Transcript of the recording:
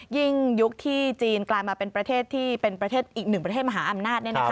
ยุคที่จีนกลายมาเป็นประเทศที่เป็นประเทศอีกหนึ่งประเทศมหาอำนาจ